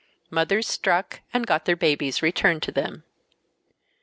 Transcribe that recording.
Mothers struck and got their babies returned to them.